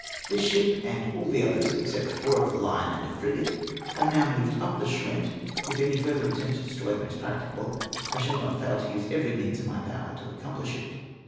This ship and all the others, except four of the line and a frigate, have now moved up the Charente. If any further attempt to destroy them is practicable, I shall not fail to use every means in my power to accomplish it.